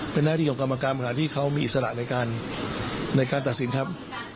เป็นหน้าที่ของกรรมการบริหารที่เขามีอิสระในการในการตัดสินครับ